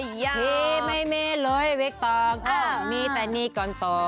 พี่ไม่มีเลยเวกตองมีแต่นี่ก่อนโต